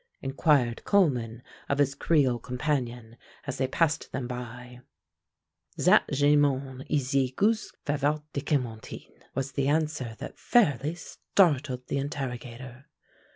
inquired Coleman of his creole companion, as they passed them by. "Zat ge'man ees ze goozh Favart de Caumartin," was the answer that fairly startled the interrogator.